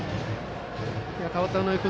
代わった直井君